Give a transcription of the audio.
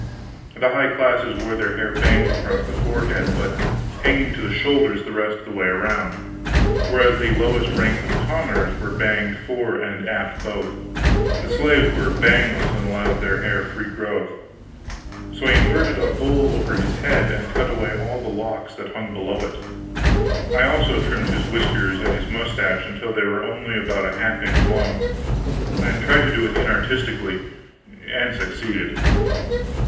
The high classes wore their hair banged across the forehead but hanging to the shoulders the rest of the way around, whereas the lowest ranks of commoners were banged fore and aft both; the slaves were bangless, and allowed their hair free growth. So I inverted a bowl over his head and cut away all the locks that hung below it. I also trimmed his whiskers and mustache until they were only about a half inch long; and tried to do it inartistically, and succeeded.